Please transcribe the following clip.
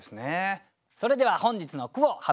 それでは本日の句を発表いたします。